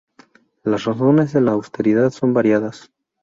Las razones de la austeridad son variadas.